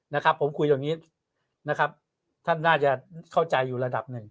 นะครับผมคุยตรงนี้นะครับท่านน่าจะเข้าใจอยู่ระดับหนึ่ง